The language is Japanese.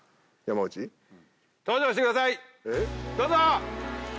どうぞ！